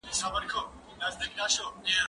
زه مخکي سفر کړی و،